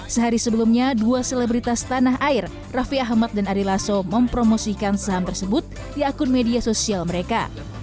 sehari sebelumnya dua selebritas tanah air raffi ahmad dan ari lasso mempromosikan saham tersebut di akun media sosial mereka